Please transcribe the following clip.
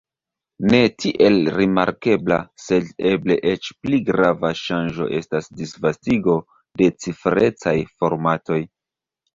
Ne tiel rimarkebla, sed eble eĉ pli grava ŝanĝo estas disvastigo de ciferecaj formatoj.